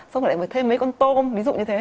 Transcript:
xong rồi lại thêm mấy con tôm ví dụ như thế